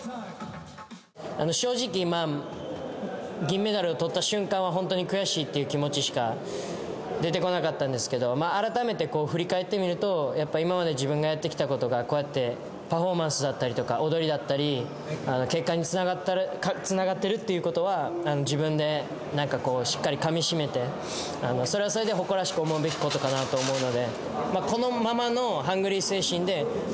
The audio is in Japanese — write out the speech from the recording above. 正直銀メダルをとった瞬間はほんとに悔しいっていう気持ちしか出てこなかったんですけど改めて振り返ってみるとやっぱり今まで自分がやってきたことがこうやってパフォーマンスだったりとか踊りだったり結果につながってるということは自分でしっかりかみしめてそれはそれで誇らしく思うべきことかなと思うので。